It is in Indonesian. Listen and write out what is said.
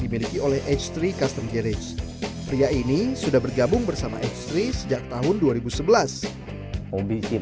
diperoleh h tiga custom garage pria ini sudah bergabung bersama h tiga sejak tahun dua ribu sebelas hobi sih